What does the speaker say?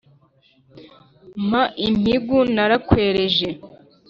Mpa impigu narakwereje